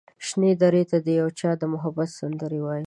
شنې درې ته د یو چا د محبت سندرې وايي